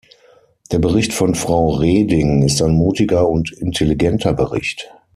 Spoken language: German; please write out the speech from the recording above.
Der Bericht von Frau Reding ist ein mutiger und intelligenter Bericht.